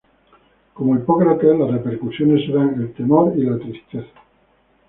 Como Hipócrates, las repercusiones serán el temor y la tristeza.